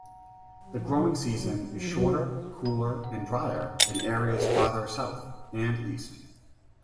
The growing season is shorter, cooler, and drier than areas farther south and east.